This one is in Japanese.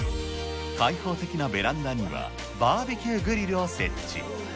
開放的なベランダには、バーベキューグリルを設置。